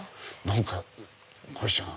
何かこひちゃん。